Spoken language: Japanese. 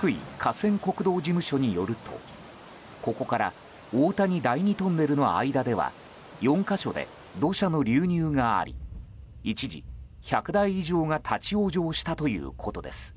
河川国道事務所によるとここから大谷第２トンネルの間では４か所で土砂の流入があり一時、１００台以上が立ち往生したということです。